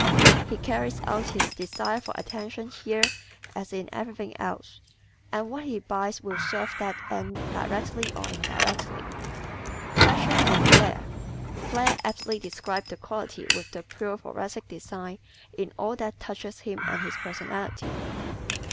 He carries out his desire for attention here as in everything else and what he buys will serve that end directly or indirectly. Fashion and "Flare" ¶ "Flare" aptly describes the quality which the pure Thoracic desires in all that touches him and his personality.